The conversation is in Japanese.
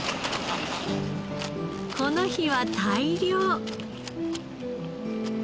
この日は大漁！